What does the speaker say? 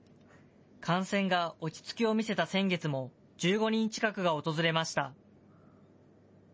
感染が落ち着きを見せた先月も１５人近くが訪れました。